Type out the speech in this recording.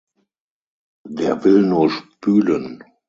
Der will nur spülen!